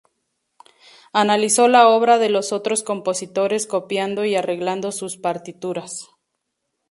Analizó la obra de los otros compositores copiando y arreglando sus partituras.